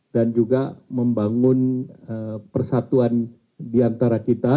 dan juga membangun persatuan diantara kita